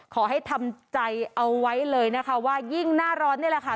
ขอให้ทำใจเอาไว้เลยนะคะว่ายิ่งหน้าร้อนนี่แหละค่ะ